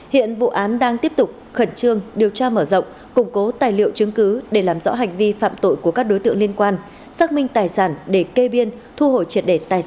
hiện vụ án đang tiếp tục khẩn trương điều tra mở rộng củng cố tài liệu chứng cứ để làm rõ hành vi phạm tội của các đối tượng liên quan xác minh tài sản để kê biên thu hồi triệt đề tài sản